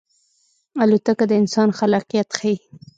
الوتکه د انسان خلاقیت ښيي.